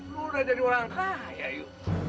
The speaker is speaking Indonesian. lu udah jadi orang kaya yuk